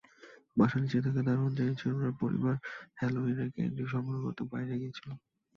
বাসার নিচে থাকা দারোয়ান জানিয়েছে, ওনার পরিবার হ্যালোউইনের ক্যান্ডি সংগ্রহ করতে বাইরে গিয়েছিল।